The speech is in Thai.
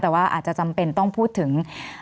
แต่ว่าอาจจะจำเป็นต้องพูดถึง